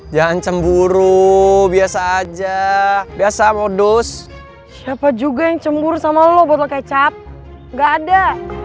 jangan cemburu biasa aja biasa modus siapa juga yang cembur sama lo bawa kecap gak ada